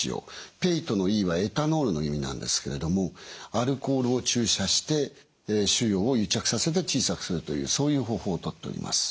ＰＥＩＴのＥはエタノールの意味なんですけれどもアルコールを注射して腫瘍を癒着させて小さくするというそういう方法をとっております。